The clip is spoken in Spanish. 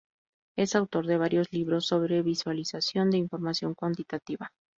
Es autor de varios libros sobre visualización de información cuantitativa.